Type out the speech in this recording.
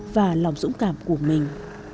và lòng dũng cảm của mình